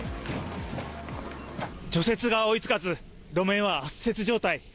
除雪が追いつかず、路面は圧雪状態。